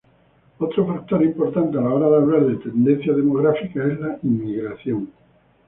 Otro factor importante a la hora de hablar de tendencias demográficas es la inmigración.